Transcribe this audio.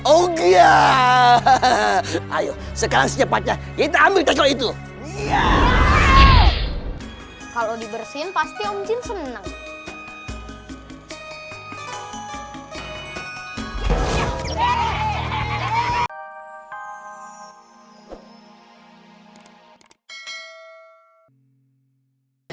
oh ya hahaha ayo sekarang cepatnya kita ambil teko itu kalau dibersihin pasti mungkin seneng